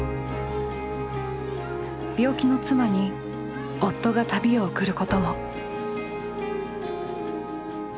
病気の妻に夫が旅を贈ることも。